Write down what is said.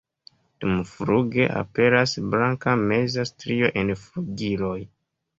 Dumfluge aperas blanka meza strio en flugiloj.